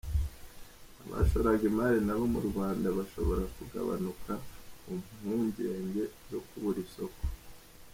Abashoraga imali nabo mu Rwanda bashobora kugabanuka ku mpungenge zo kubura isoko.